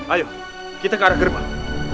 ayo kita ke arah gerbang